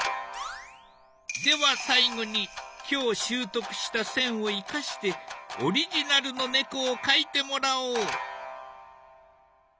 では最後に今日習得した線を生かしてオリジナルの猫を描いてもらおう！